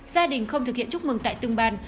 gia đình không thực hiện chúc mừng tại từng bàn